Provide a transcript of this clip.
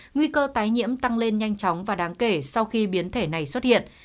nguy cơ tái nhiễm tăng lên nhanh chóng và đáng kể sau khi biến thể này xuất hiện